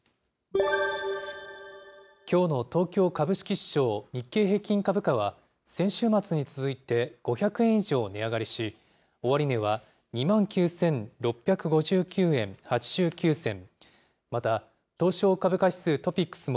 きょうの東京株式市場、日経平均株価は、先週末に続いて５００円以上値上がりし、終値は２万９６５９円８９銭、また東証株価指数・トピックスも、